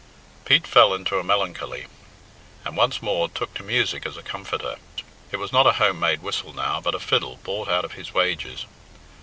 Pete fell into a melancholy, and once more took to music as a comforter. It was not a home made whistle now, but a fiddle bought out of his wages.